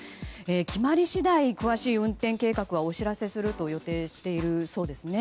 決まり次第、詳しい運転計画はお知らせすると予定しているそうですね。